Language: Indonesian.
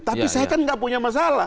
tapi saya kan nggak punya masalah